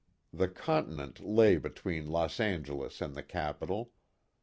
The continent lay between Los Angeles and the Capitol.